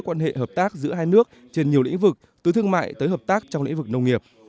quan hệ hợp tác giữa hai nước trên nhiều lĩnh vực từ thương mại tới hợp tác trong lĩnh vực nông nghiệp